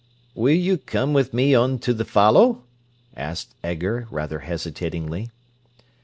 "Will you come with me on to the fallow?" asked Edgar, rather hesitatingly.